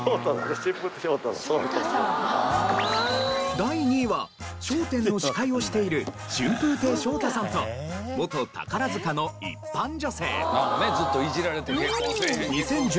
第２位は『笑点』の司会をしている春風亭昇太さんと元宝塚の一般女性。